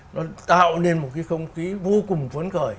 nó tạo nên một cái không khí vô cùng vấn khởi